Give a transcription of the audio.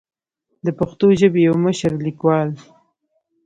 د پښتو ژبې يو مشر ليکوال